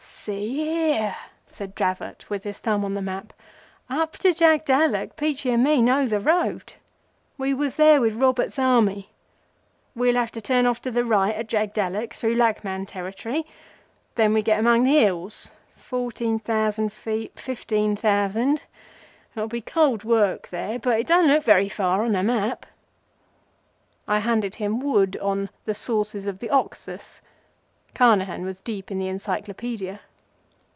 "See here!" said Dravot, his thumb on the map. "Up to Jagdallak, Peachey and me know the road. We was there with Roberts's Army. We'll have to turn off to the right at Jagdallak through Laghmann territory. Then we get among the hills—fourteen thousand feet—fifteen thousand—it will be cold work there, but it don't look very far on the map." I handed him Wood on the Sources of the Oxus. Carnehan was deep in the Encyclopædia.